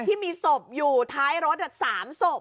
ที่มีศพอยู่ท้ายรถ๓ศพ